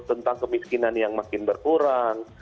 tentang kemiskinan yang makin berkurang